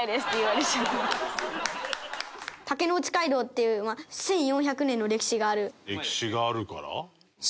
竹内街道っていう１４００年の歴史がある。